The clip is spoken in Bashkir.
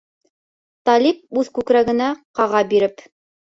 Талип, үҙ күкрәгенә ҡаға биреп: